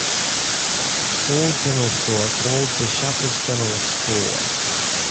Old General Store called The Shaffer's General Store.